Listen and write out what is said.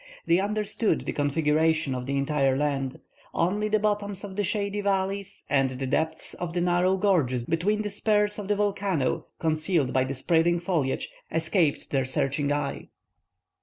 They understood the configuration of the entire island; only the bottoms of the shady valleys and the depths of the narrow gorges between the spurs of the volcano, concealed by the spreading foliage, escaped their searching eye.